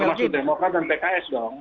termasuk demokrat dan pks dong